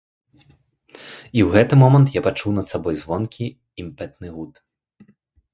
І ў гэты момант я пачуў над сабой звонкі імпэтны гуд.